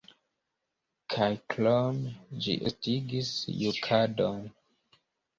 Kaj krome, ĝi estigis jukadon.